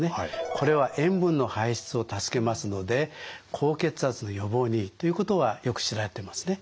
これは塩分の排出を助けますので高血圧の予防にいいということはよく知られてますね。